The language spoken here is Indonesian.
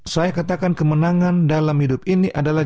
saya katakan kemenangan dalam hidup ini adalah